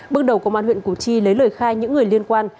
bước đầu công an huyện củ chi lấy lời khai những người liên quan